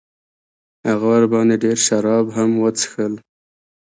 هغه ورباندې ډېر شراب هم وڅښل.